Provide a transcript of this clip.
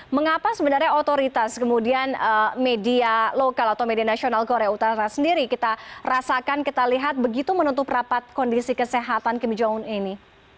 mengapa sebenarnya otoritas kemudian media lokal atau media nasional korea utara sendiri kita rasakan kita lihat begitu menutup rapat kondisi kesehatan kim jong un ini